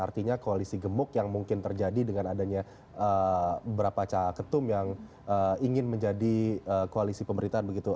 artinya koalisi gemuk yang mungkin terjadi dengan adanya beberapa caketum yang ingin menjadi koalisi pemerintahan begitu